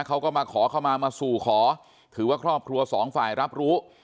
เขาก็มาขอเข้ามามาสู่ขอถือว่าครอบครัวสองฝ่ายรับรู้